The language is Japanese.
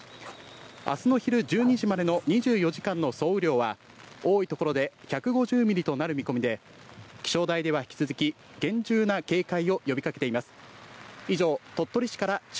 あすの昼１２時までの２４時間の総雨量は、多い所で１５０ミリとなる見込みで、気象台では引き続き厳重な警戒を呼びかけています。